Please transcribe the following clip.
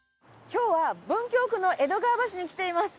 今日は文京区の江戸川橋に来ています。